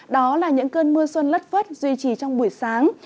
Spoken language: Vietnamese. đó là những cơn mưa xuân lất phất duy trì trong buổi sáng